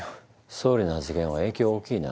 総理の発言は影響大きいな。